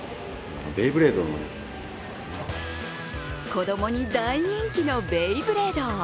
子どもに大人気のベイブレード。